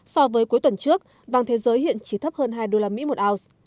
so với cuối tuần trước vàng thế giới hiện chỉ thấp hơn hai đô la mỹ một ounce